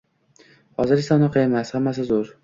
Hozir esa, unaqa emas. Hammasi zo‘r.